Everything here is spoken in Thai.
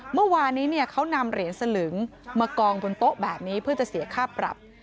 เมื่อวานนี้เขานำเหรียญสลึงมากองบนโต๊ะแบบนี้เพื่อจะเสียค่าปรับ